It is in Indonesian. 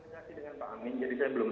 saya belum mencari dengan pak amin